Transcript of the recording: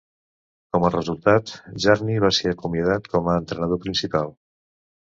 Com a resultat, Jarni va ser acomiadat com a entrenador principal.